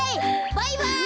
バイバイ！